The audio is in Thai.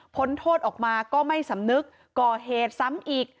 พ้นโทษออกมาก็ไม่สำนึกก่อเหตุซ้ำอีก